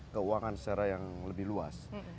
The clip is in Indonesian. keuangan secara yang lebih luas